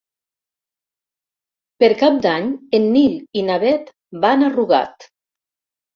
Per Cap d'Any en Nil i na Bet van a Rugat.